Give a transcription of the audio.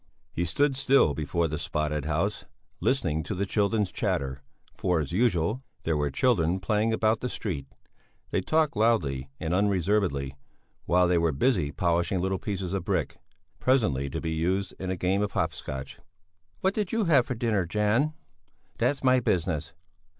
He stood still before the spotted house, listening to the children's chatter, for, as usual, there were children playing about the street; they talked loudly and unreservedly while they were busy polishing little pieces of brick, presently to be used in a game of hop scotch. "What did you have for dinner, Janne?" "That's my business!"